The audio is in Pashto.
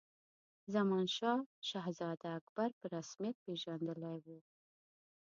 زمانشاه شهزاده اکبر په رسمیت پېژندلی وو.